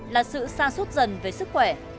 là sự sa sút dần với sức khỏe